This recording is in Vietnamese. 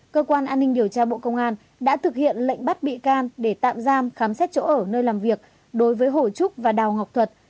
cơ quan an ninh điều tra bộ công an đã thực hiện lệnh bắt bị can để tạm giam khám xét chỗ ở nơi làm việc đối với hồ trúc và đào ngọc thuật